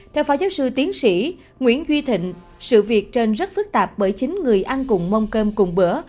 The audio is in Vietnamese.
theo phó giáo sư tiến sĩ nguyễn duy thịnh sự việc trên rất phức tạp bởi chính người ăn cùng mông cơm cùng bữa